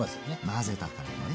混ぜたからね。